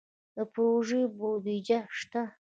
د پروژو بودیجه شته؟